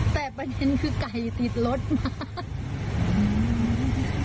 แต่ประเด็นคือไก่ติดรถมาก